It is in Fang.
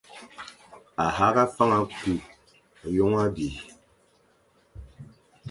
A hagha fana ku hyôm abî,